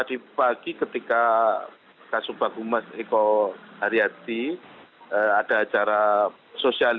tadi pagi ketika kasubag humas eko haryati ada acara sosial